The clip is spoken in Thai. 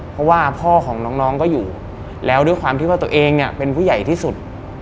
เพราะว่าพ่อของน้องก็อยู่แล้วด้วยความที่ว่าตัวเองเนี่ยเป็นผู้ใหญ่ที่สุด